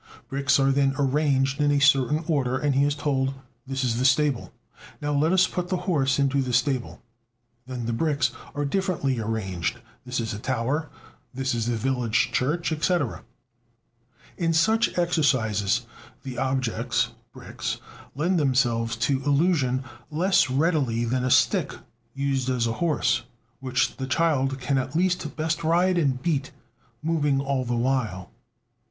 Bricks are then arranged in a certain order, and he is told: "This is the stable; now let us put the horse into the stable." Then the bricks are differently arranged: "This is a tower, this is the village church, etc." In such exercises the objects (bricks) lend themselves to illusion less readily than a stick used as a horse, which the child can at least bestride and beat, moving along the while.